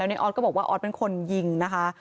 แล้วนายออธก็บอกว่าออธเป็นคนยิงนะคะ